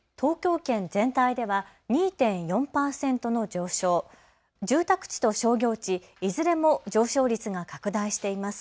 東京圏全体では２．４％の上昇、住宅地と商業地いずれも上昇率が拡大しています。